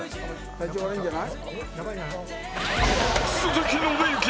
体調悪いんじゃない？